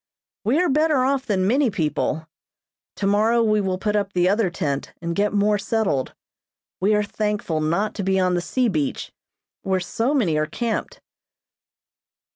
We are better off than many people. Tomorrow we will put up the other tent and get more settled. We are thankful not to be on the sea beach, where so many are camped.